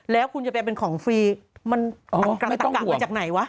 แล้วคุณจะเป็นของฟรีมันอ๋อไม่ต้องห่วงจากไหนวะ